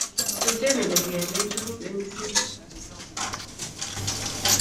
Tuten ele kiyaklen tukul en kisii